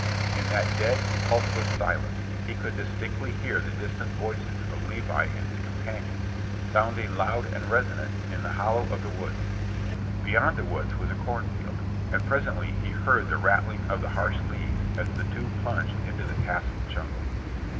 In that dead, pulseless silence he could distinctly hear the distant voices of Levi and his companion, sounding loud and resonant in the hollow of the woods. Beyond the woods was a cornfield, and presently he heard the rattling of the harsh leaves as the two plunged into the tasseled jungle.